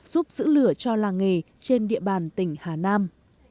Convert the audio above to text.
giúp giữ lửa cho làng nghề trên địa bàn tỉnh hà nam